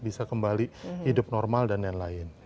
bisa kembali hidup normal dan lain lain